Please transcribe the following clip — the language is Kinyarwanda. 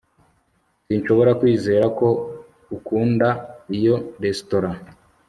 sinshobora kwizera ko ukunda iyo resitora